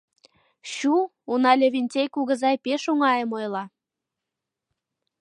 — Чу, уна Левентей кугызай пеш оҥайым ойла...